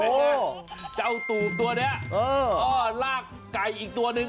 โอ้โฮครับเจ้าตุ๋ที่ตัวนี้ก็ลากไก่อีกตัวหนึ่ง